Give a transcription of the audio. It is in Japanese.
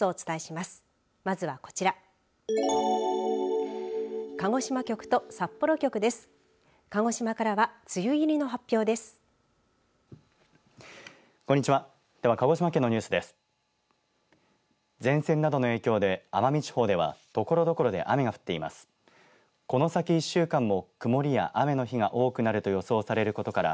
まずはこちら。